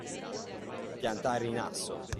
Piantare in asso.